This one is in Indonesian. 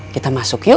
kita masuk yuk